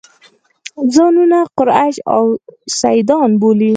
ځانونه قریش او سیدان بولي.